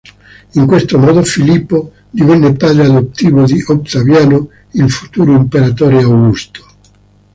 In questo modo Filippo divenne padre adottivo di Ottaviano, il futuro imperatore Augusto.